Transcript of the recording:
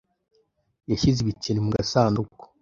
Yashyize ibiceri mu gasanduku.